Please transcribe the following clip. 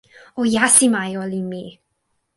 o jasima e olin mi!